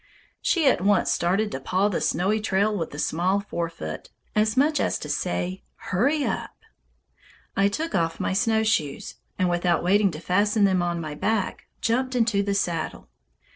She at once started to paw the snowy trail with a small fore foot, as much as to say, "Hurry up!" I took off my snowshoes, and without waiting to fasten them on my back, jumped into the saddle.